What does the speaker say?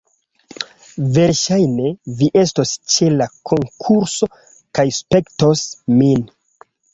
Verŝajne, vi estos ĉe la konkurso kaj spektos min